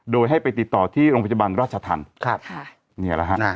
โดยให้ไปติดต่อที่โรงพยาบาลราชธรรมครับค่ะนี่แหละฮะ